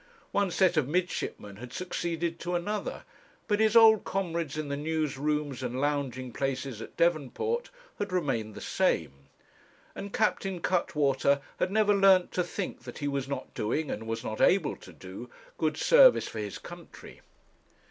One set of midshipmen had succeeded to another, but his old comrades in the news rooms and lounging places at Devonport had remained the same; and Captain Cuttwater had never learnt to think that he was not doing, and was not able to do good service for his country.